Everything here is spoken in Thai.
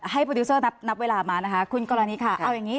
โปรดิวเซอร์นับเวลามานะคะคุณกรณีค่ะเอาอย่างนี้